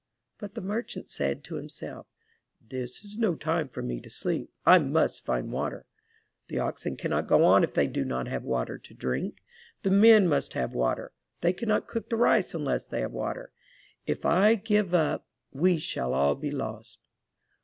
'' But the merchant said to himself, 'This is no time for me to sleep. I must find water. The oxen cannot go on if they do not have water to drink. The men must have water. They cannot cook the rice unless they have water. If I give up, we shall all be lost.''